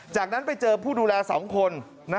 จากนั้นไปเจอผู้ดูแล๒คน